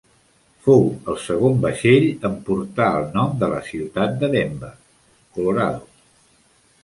Fou el segon vaixell en portar el nom de la ciutat de Denver, Colorado.